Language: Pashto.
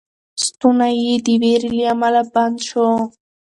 ستونی یې د وېرې له امله بند شو.